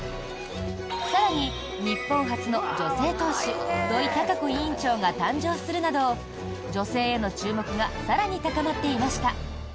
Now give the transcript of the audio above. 更に、日本初の女性党首土井たか子委員長が誕生するなど女性への注目が更に高まっていました。